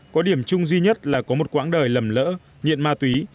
có điểm chung duy nhất là có một quãng đời lầm lỡ nghiện ma túy